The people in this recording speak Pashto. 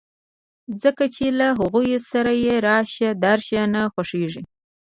ځکه چې له هغوی سره يې راشه درشه نه خوښېږي.